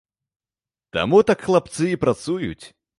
Таму так хлапцы і працуюць.